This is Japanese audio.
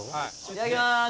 いただきまーす！